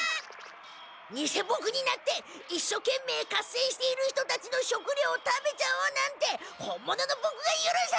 偽ボクになって一所懸命合戦している人たちの食料を食べちゃおうなんて本物のボクがゆるさない！